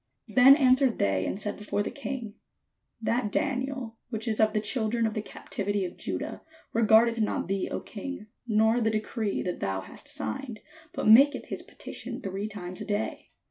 Then answered they and said before the king: "That Daniel, which is of the children of the captivity of Judah, regardeth not thee, O king, nor the decree that thou hast signed, but maketh his petition three times a day."